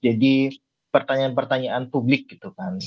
jadi pertanyaan pertanyaan publik gitu kan